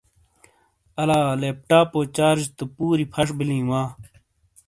الا لیپ ٹاپو چارج تو پُوری پھش بیلیں وا۔